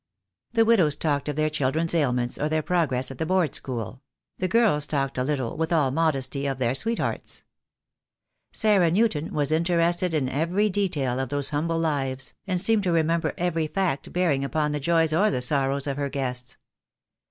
The widows talked of their children's ailments or their progress at the Board School; the girls talked a little, and with all modesty, of their sweethearts. Sarah Newton was interested in every detail of those humble lives, and seemed to remember every fact bearing upon the joys or the sorrows of her guests.